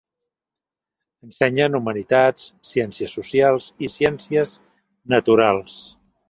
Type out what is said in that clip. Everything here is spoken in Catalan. Ensenyen humanitats, ciències socials i ciències naturals.